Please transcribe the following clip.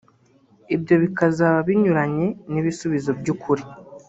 bityo bikazaba binyuranye n’ibisubizo by’ukuri